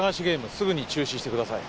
すぐに中止してください。